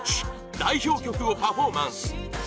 代表曲をパフォーマンス！